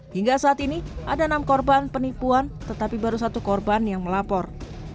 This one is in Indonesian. hingga saat ini ada enam korban penipuan tetapi baru satu korban yang melapor